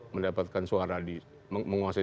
mendapatkan suara di menguasai